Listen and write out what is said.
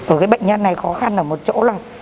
ở cái bệnh nhân này khó khăn ở một chỗ thôi